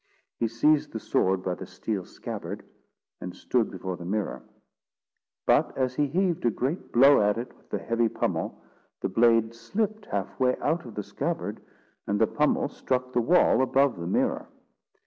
He seized the sword by the steel scabbard, and stood before the mirror; but as he heaved a great blow at it with the heavy pommel, the blade slipped half way out of the scabbard, and the pommel struck the wall above the mirror.